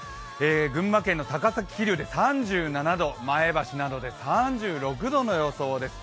群馬県の高崎、桐生で３７度、前橋などで３６度の予想です。